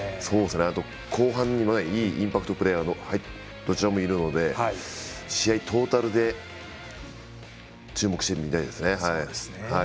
あとは、後半にいいインパクトプレーヤーがどちらもいるので試合トータルで注目してみたいですね。